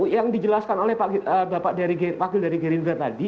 yang dijelaskan oleh pak gil dari gerindra tadi